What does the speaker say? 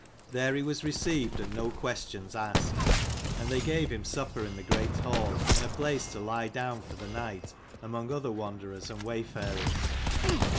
There he was received, and no questions asked : and they gave him supper in the great hall, and a place to lie down for the night among other wanderers and wayfarers.